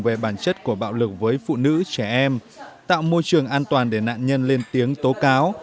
về bản chất của bạo lực với phụ nữ trẻ em tạo môi trường an toàn để nạn nhân lên tiếng tố cáo